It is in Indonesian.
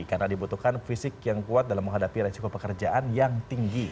karena dibutuhkan fisik yang kuat dalam menghadapi resiko pekerjaan yang tinggi